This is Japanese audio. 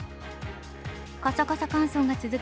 カサカサ乾燥が続く